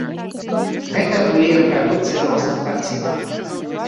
Гэта былі рэпрадукцыі розных карцінаў.